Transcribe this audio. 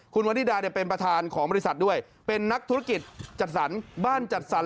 คุณวันนิดาเนี่ยเป็นประธานของบริษัทด้วยเป็นนักธุรกิจจัดสรรบ้านจัดสรร